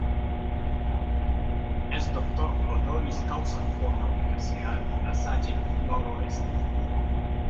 Es Doctor Honoris Causa por la Universidad La Salle Noroeste.